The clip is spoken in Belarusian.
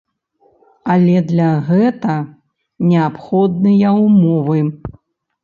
Але для гэта неабходныя ўмовы.